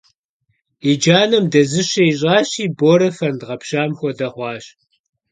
И джанэм дэзыщэ ищӏащи, Борэ фэнд гъэпщам хуэдэ хъуащ.